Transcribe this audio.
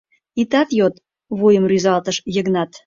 Итат йод! — вуйым рӱзалтыш Йыгнат.